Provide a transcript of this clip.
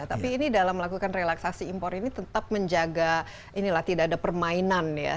tapi ini dalam melakukan relaksasi impor ini tetap menjaga inilah tidak ada permainan ya